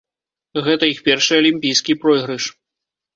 Гэта іх першы алімпійскі пройгрыш.